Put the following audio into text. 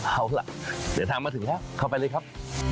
เอาล่ะเดี๋ยวทางมาถึงแล้วเข้าไปเลยครับ